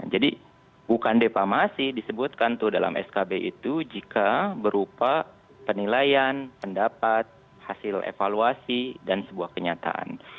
jadi bukan depamasi disebutkan dalam skb itu jika berupa penilaian pendapat hasil evaluasi dan sebuah kenyataan